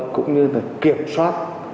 cũng như kiểm soát